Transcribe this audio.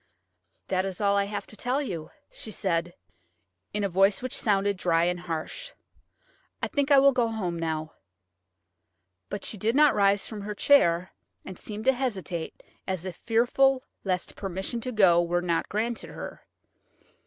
"That is all I have to tell you," she said, in a voice which sounded dry and harsh. "I think I will go home now." But she did not rise from her chair, and seemed to hesitate as if fearful lest permission to go were not granted her.